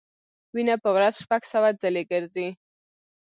وینه په ورځ شپږ سوه ځلې ګرځي.